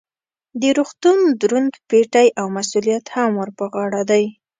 د روغتون دروند پیټی او مسؤلیت هم ور په غاړه دی.